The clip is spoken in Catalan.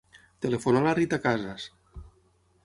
Telefona a la Rita Casas.